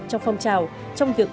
trong phong trào trong việc